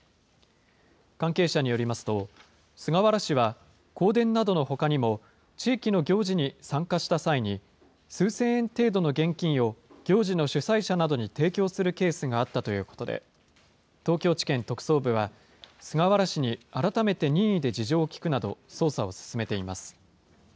関係者によりますと、菅原氏は香典などのほかにも、地域の行事に参加した際に、数千円程度の現金を行事の主催者などに提供するケースがあったということで、東京地検特捜部は、菅原氏に改めて任意で事情を聴くなど、捜査を進めています。